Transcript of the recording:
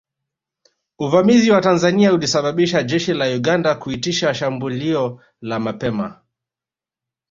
Uvamizi wa Tanzania ulisababisha jeshi la Uganda kuitisha shambulio la mapema